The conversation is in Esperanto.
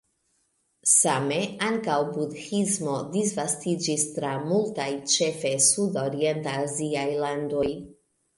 Same ankaŭ Budhismo disvastiĝis tra multaj ĉefe sudorienta aziaj landoj.